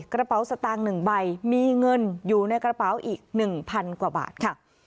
กระเป๋าสตางค์๑ใบมีเงินอยู่ในกระเป๋าอีก๑๐๐กว่าบาทค่ะ